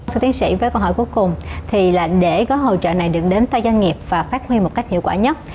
thưa tiến sĩ với câu hỏi cuối cùng thì là để gói hỗ trợ này được đến tay doanh nghiệp và phát huy một cách hiệu quả nhất